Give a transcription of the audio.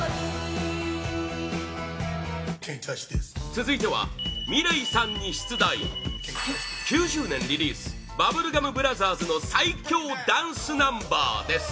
続いてはｍｉｌｅｔさんに出題９０年リリースバブルガム・ブラザーズの最強ダンスナンバーです